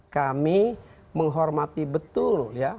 kami menghormati betul ya